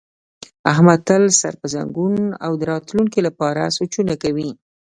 احمد تل سر په زنګون او د راتونکي لپاره سوچونه کوي.